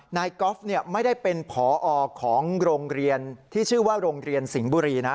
ก๊อฟไม่ได้เป็นผอของโรงเรียนที่ชื่อว่าโรงเรียนสิงห์บุรีนะ